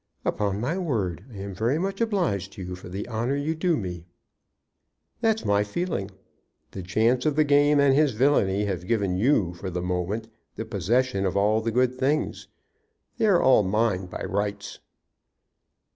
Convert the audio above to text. "Upon my word I am very much obliged to you for the honor you do me." "That's my feeling. The chance of the game and his villany have given you for the moment the possession of all the good things. They are all mine by rights."